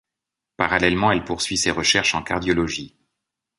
Parallèlement, elle poursuit ses recherches en cardiologie.